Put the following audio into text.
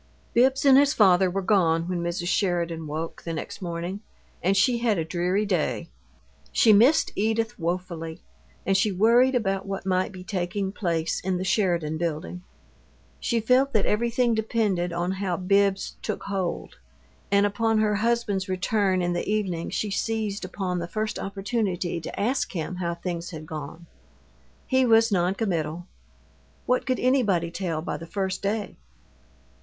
Bibbs and his father were gone when Mrs. Sheridan woke, the next morning, and she had a dreary day. She missed Edith woefully, and she worried about what might be taking place in the Sheridan Building. She felt that everything depended on how Bibbs "took hold," and upon her husband's return in the evening she seized upon the first opportunity to ask him how things had gone. He was non committal. What could anybody tell by the first day?